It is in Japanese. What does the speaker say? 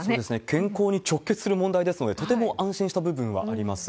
健康に直結する問題ですので、とても安心した部分はあります。